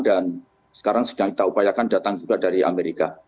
dan sekarang sedang kita upayakan datang juga dari amerika